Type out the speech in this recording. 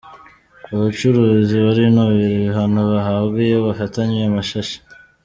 Abacuruzi barinubira ibihano bahabwa iyo bafatanywe amashashi